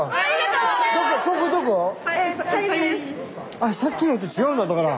あっさっきのと違うんだだから。